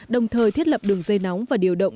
đồng thời thiết lập đường dây nóng và điều động